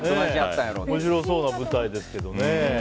面白そうな舞台ですけどね。